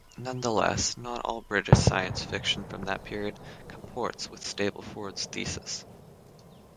Nonetheless, not all British science fiction from that period comports with Stableford's thesis.